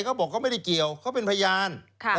เขาบอกเขาไม่ได้เกี่ยวเขาเป็นพยาน